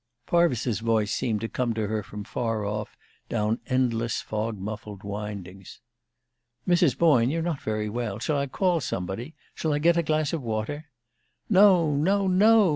Parvis's voice seemed to come to her from far off, down endless, fog muffled windings. "Mrs. Boyne, you're not very well. Shall I call somebody? Shall I get a glass of water?" "No, no, no!"